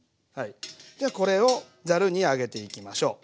これをざるにあげていきましょう。